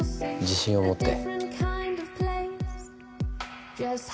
自信を持って。